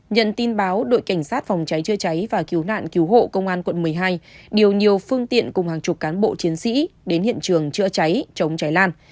nhận tin báo đội cảnh sát phòng cháy chữa cháy và cứu nạn cứu hộ công an quận một mươi hai điều nhiều phương tiện cùng hàng chục cán bộ chiến sĩ đến hiện trường chữa cháy chống cháy lan